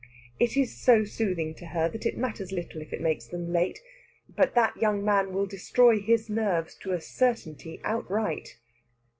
It is so soothing to her that it matters little if it makes them late. But that young man will destroy his nerves to a certainty outright.